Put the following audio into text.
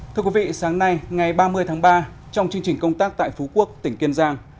thưa quý vị sáng nay ngày ba mươi tháng ba trong chương trình công tác tại phú quốc tỉnh kiên giang